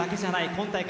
今大会